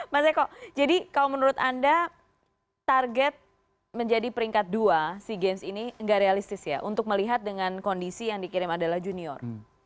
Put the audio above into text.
mas eko jadi kalau menurut anda target menjadi peringkat dua sea games ini nggak realistis ya untuk melihat dengan kondisi yang dikirim adalah junior